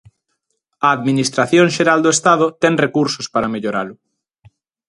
A Administración xeral do Estado ten recursos para melloralo.